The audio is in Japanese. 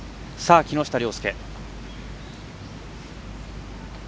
木下稜介。